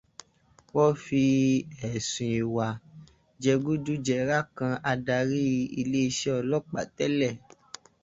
Wọ́n fi ẹ̀sùn ìwà jẹgúdújẹrá kan àdàrí iléeṣẹ́ ọlọ́pàá tẹ́lẹ̀.